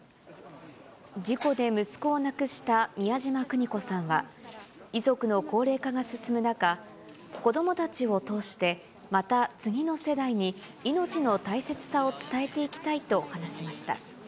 事故で息子を亡くした美谷島邦子さんは、遺族の高齢化が進む中、子どもたちを通して、また次の世代に命の大切さを伝えていきたいと話しました。